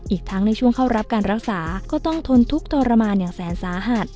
อีกทั้งในช่วงเข้ารับการรักษาก็ต้องทนทุกข์ทรมานอย่างแสนสาหัส